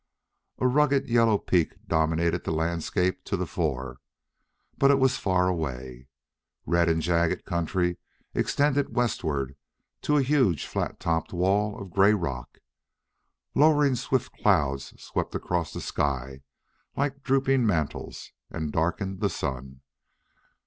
A rugged yellow peak dominated the landscape to the fore, but it was far away. Red and jagged country extended westward to a huge flat topped wall of gray rock. Lowering swift clouds swept across the sky, like drooping mantles, and darkened the sun.